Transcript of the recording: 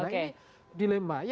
nah ini dilema